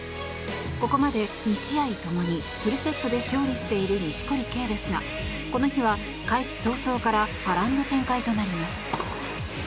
ここまで２試合ともにフルセットで勝利している錦織圭ですがこの日は開始早々から波乱の展開となります。